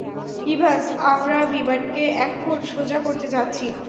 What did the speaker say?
Evans, আমরা বিমানকে এখন সোজা করতে যাচ্ছি।